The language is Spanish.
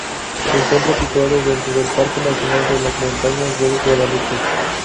Se encuentra situado dentro del Parque Nacional de las Montañas de Guadalupe.